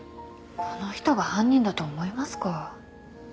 この人が犯人だと思いますか？